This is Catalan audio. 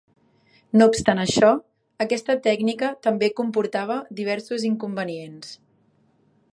No obstant això, aquesta tècnica també comportava diversos inconvenients.